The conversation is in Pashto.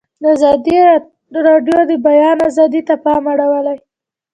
ازادي راډیو د د بیان آزادي ته پام اړولی.